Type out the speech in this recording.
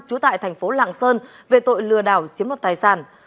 trú tại tp lạng sơn về tội lừa đảo chiếm luật tài sản